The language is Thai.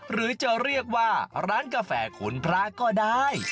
หรือจะเรียกว่าร้านกาแฟขุนพระก็ได้